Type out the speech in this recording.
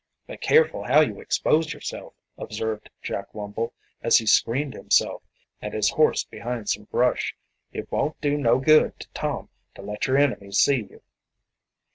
"Be careful how you expose yourself," observed Jack Wumble, as he screened himself and his horse behind some brush. "It won't do no good to Tom to let your enemies see you."